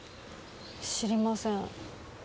知りません。